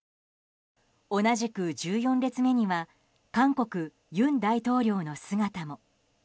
同じく１４列目には韓国・尹大統領の姿も。